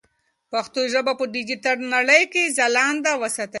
پښتو ژبه په ډیجیټل نړۍ کې ځلانده وساتئ.